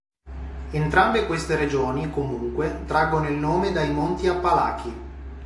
Entrambe queste regioni, comunque, traggono il nome dai Monti Appalachi.